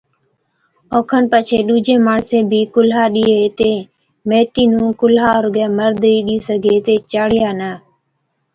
اوکن پڇي ڏُوجين ماڻسين بِي ڪُلھا ڏيئين ھِتين ميٿِي نُون ڪُلها رُگَي مرد ئِي ڏي سِگھي هِتي چاڙِيا نہ